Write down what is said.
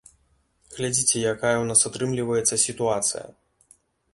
Глядзіце, якая ў нас атрымліваецца сітуацыя.